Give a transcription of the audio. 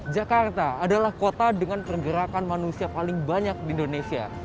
jakarta adalah kota dengan pergerakan manusia paling banyak di indonesia